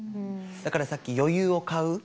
だからさっき余裕を買う